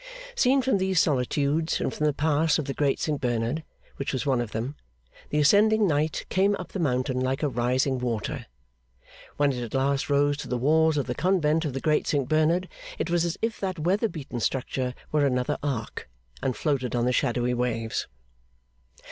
Seen from these solitudes, and from the Pass of the Great Saint Bernard, which was one of them, the ascending Night came up the mountain like a rising water. When it at last rose to the walls of the convent of the Great Saint Bernard, it was as if that weather beaten structure were another Ark, and floated on the shadowy waves.